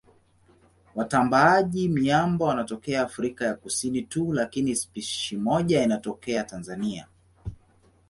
Watambaaji-miamba wanatokea Afrika ya Kusini tu lakini spishi moja inatokea Tanzania.